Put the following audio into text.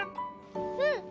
うん！